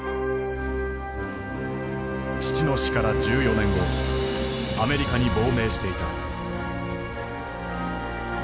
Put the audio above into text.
父の死から１４年後アメリカに亡命していた。